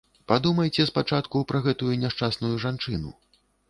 Падумайце спачатку пра гэтую няшчасную жанчыну.